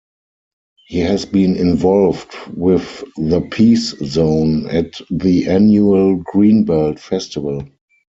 He has been involved with the "Peace Zone" at the annual Greenbelt Festival.